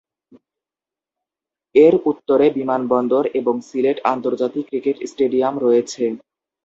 এর উত্তরে বিমানবন্দর এবং সিলেট আন্তর্জাতিক ক্রিকেট স্টেডিয়াম রয়েছে।